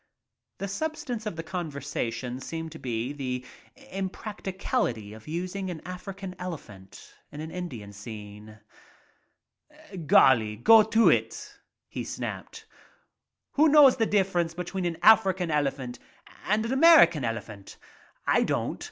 The substance of the conversation seemed to be the practicability of using an African elephant in an Indian scene. '■*■•, go to it," he snapped. "Who knows the difference between an African elephant and a Amer ican elephant. I don't.